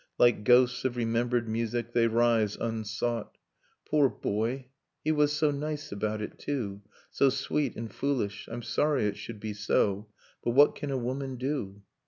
Like ghosts of remembered music, they rise unsought. (Poor boy ! he was so nice about it, too — So sweet and foolish ! I'm sorry it should be so. But what can a woman do?)